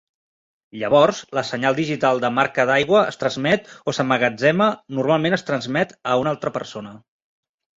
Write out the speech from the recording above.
Llavors, la senyal digital de marca d'aigua es transmet o s emmagatzema, normalment es transmet a una altra persona.